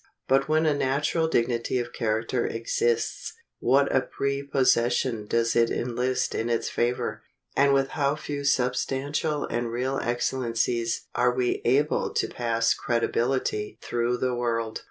But when a natural dignity of character exists, what a prepossession does it enlist in its favor, and with how few substantial and real excellencies are we able to pass creditably through the world!